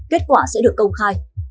kết quả sẽ được công khai